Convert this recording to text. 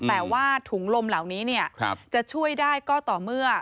แต่ว่าถุงลมเหล่านี้จะช่วยได้ก็ต่อเมื่อ